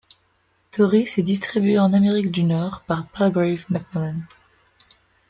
Tauris est distribué en Amérique du Nord par Palgrave Macmillan.